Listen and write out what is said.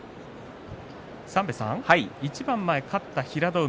一番前で勝った平戸海